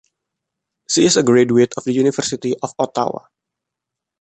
She is a graduate of the University of Ottawa.